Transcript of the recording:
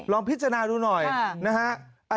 พิจารณาดูหน่อยนะฮะ